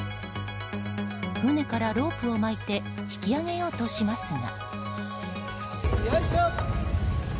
船からロープを巻いて引き揚げようとしますが。